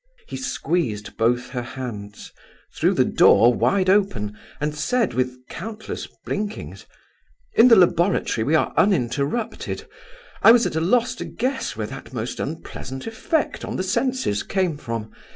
He squeezed both her hands, threw the door wide open, and said, with countless blinkings: "In the laboratory we are uninterrupted. I was at a loss to guess where that most unpleasant effect on the senses came from.